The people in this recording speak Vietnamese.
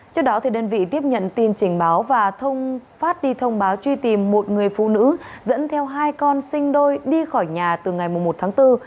trước đó đơn vị tiếp nhận tin trình báo và phát đi thông báo truy tìm một người phụ nữ dẫn theo hai con sinh đôi đi khỏi nhà từ ngày một tháng bốn